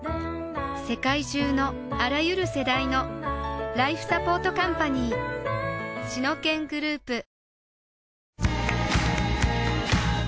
世界中のあらゆる世代のライフサポートカンパニーシノケングループ